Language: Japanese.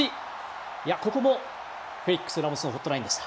いやここも、フェリックスラモスのホットラインでした。